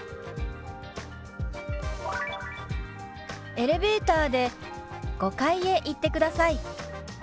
「エレベーターで５階へ行ってください」。